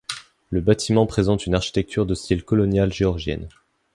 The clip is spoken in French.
Le bâtiment présente une architecture de style coloniale géorgienne.